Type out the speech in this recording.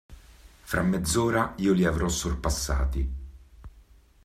Fra mezz'ora io li avrò sorpassati.